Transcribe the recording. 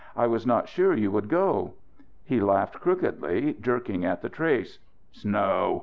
"I was not sure you would go." He laughed crookedly, jerking at the trace. "Snow!"